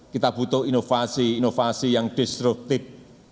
kita butuh inovasi inovasi yang destruktif